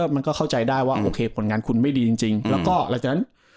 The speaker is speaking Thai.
มันก็เข้าใจได้ว่าโอเคผลงานคุณไม่ดีจริงแล้วก็หลังจากนั้น